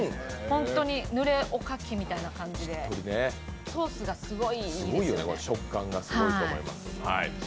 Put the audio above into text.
本当にぬれおかきみたいな感じでソースがすごい、いいですよね。